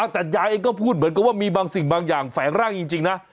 แต่ยายเองก็พูดเหมือนกับว่ามีบางสิ่งบางอย่างแฝงร่างจริงนะ